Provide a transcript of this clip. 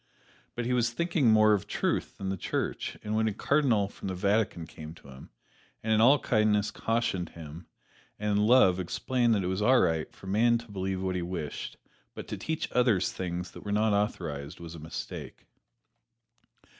But he was thinking more of truth than of the Church, and when a cardinal from the Vatican came to him, and in all kindness cautioned him, and in love explained it was all right for a man to believe what he wished, but to teach others things that were not authorized was a mistake.